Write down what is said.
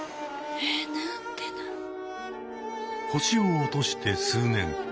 星を落として数年。